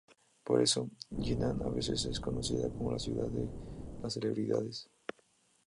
Por eso, Jinan a veces es conocida como la "ciudad de las celebridades".